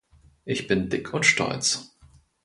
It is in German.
Ich bin dick und stolz.